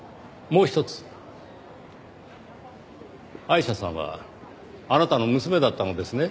アイシャさんはあなたの娘だったのですね。